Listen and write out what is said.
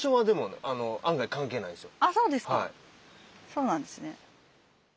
そうなんですね。